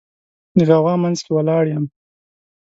د غوغا منځ کې ولاړ یم